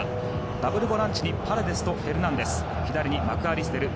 ダブルボランチにパレデスとフェルナンデス。